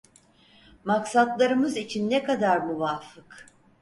Maksatlarımız için ne kadar muvafık.